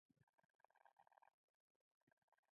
د سر د چکر لپاره باید څه شی وڅښم؟